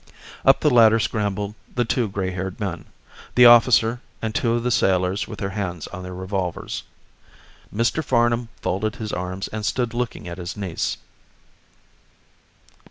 Up the ladder scrambled the two gray haired men, the officer and two of the sailors with their hands on their revolvers. Mr. Farnam folded his arms and stood looking at his niece.